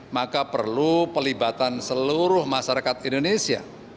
maka perlu pelibatan seluruh masyarakat indonesia